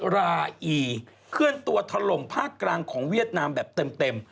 ราอีเคลื่อนตัวถล่มภาคกลางของเวียดนามแบบเต็ม